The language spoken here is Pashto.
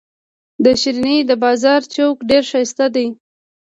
د شرنۍ د بازار چوک ډیر شایسته دي.